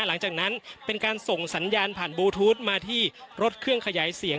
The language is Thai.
หลังจากนั้นเป็นการส่งสัญญาณผ่านบลูทูธมาที่รถเครื่องขยายเสียง